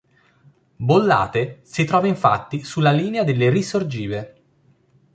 Bollate si trova infatti sulla linea delle risorgive.